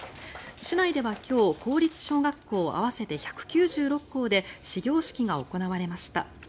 市内では今日公立小学校合わせて１９６校で始業式が行われました。